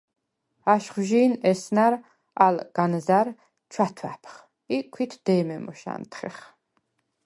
აშხვჟი̄ნ ესნა̈რ ალ განზა̈რ ჩვათვა̈ფხ ი ქვით დე̄მე მოშ ა̈ნთხეხ.